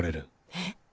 えっ。